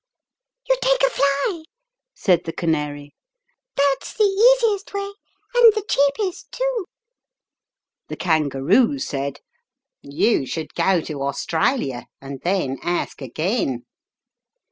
"You take a fly/' said the canary, ''that's the easiest way, and the cheapest too." The kangaroo said, "You should go to Australia and then ask again."